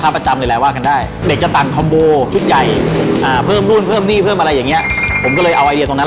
เป็นการเริ่มต้นมาจากร้านห่อแม่ที่ที่ที่ทำมาก่อนจะแยกส่วนออกมา